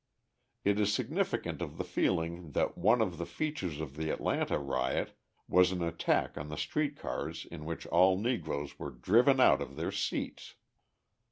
It is significant of the feeling that one of the features of the Atlanta riot was an attack on the street cars in which all Negroes were driven out of their seats.